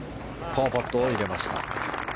パーパットを入れました。